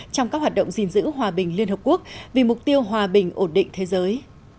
trong các hoạt động gìn giữ hòa bình liên hợp quốc vì mục tiêu hòa bình ổn định thế giới